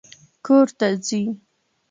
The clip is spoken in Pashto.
کور ته ځي